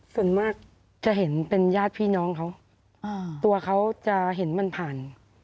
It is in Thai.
ส่วนมากจะเห็นเป็นญาติพี่น้องเขาตัวเขาจะเห็นมันผ่าน